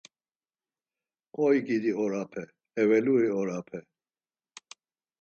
Oy gidi orape, evveluri orape.